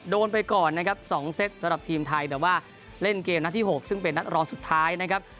โดนไปก่อนนะครับ๒เซตสำหรับทีมไทยแต่ว่าเล่นเกมนัดที่๖ซึ่งเป็นนัดรองสุดท้ายนะครับ